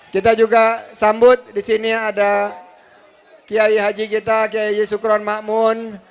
kita juga sambut di sini ada kiai haji kita kiai yusukron makmun